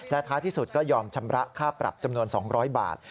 ท้ายที่สุดก็ยอมชำระค่าปรับจำนวน๒๐๐บาท